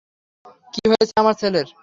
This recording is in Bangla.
কি হয়েছে আমার ছেলের?